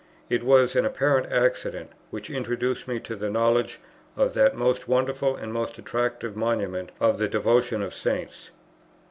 It was an apparent accident, which introduced me to the knowledge of that most wonderful and most attractive monument of the devotion of saints.